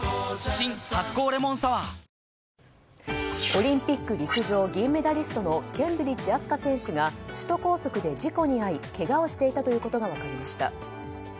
オリンピック陸上銀メダリストのケンブリッジ飛鳥選手が首都高速で事故に遭いけがをしていたということが分かりました。